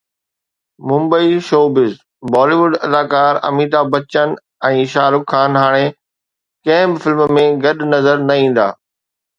Mumbai (showbiz news) Bollywood اداڪار اميتاڀ بچن ۽ شاهه رخ خان هاڻي ڪنهن به فلم ۾ گڏ نظر نه ايندا.